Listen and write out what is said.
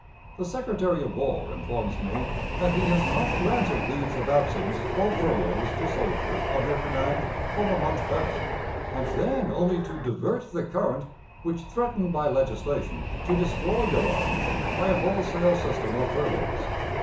The Secretary of War informs me that he has not granted leaves of absence or furloughs to soldiers of your command for a month past, and then only to divert the current which threatened by legislation to destroy your army by a wholesale system of furloughs.